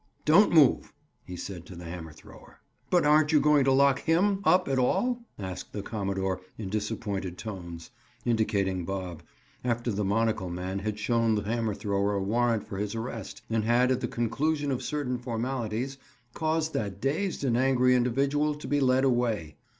"Don't move," he said to the hammer thrower. "But aren't you going to lock him up at all?" asked the commodore in disappointed tones, indicating Bob, after the monocle man had shown the hammer thrower a warrant for his (the hammer thrower's) arrest, and had, at the conclusion of certain formalities, caused that dazed and angry individual to be led away.